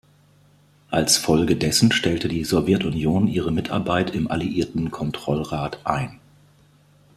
Als Folge dessen stellte die Sowjetunion ihre Mitarbeit im Alliierten Kontrollrat ein.